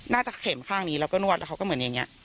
เข็มข้างนี้แล้วก็นวดแล้วเขาก็เหมือนอย่างนี้